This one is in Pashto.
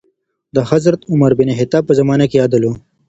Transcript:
د حضرت عمر بن خطاب په زمانې کي عدل و.